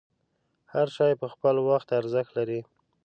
هر شی په خپل وخت ارزښت لري.